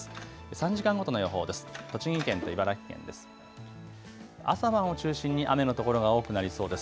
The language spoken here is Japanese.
３時間ごとの予報です。